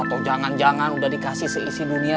atau jangan jangan udah dikasih seisi dunia